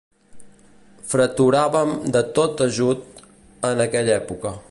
Freturàvem de tot ajut, en aquella època.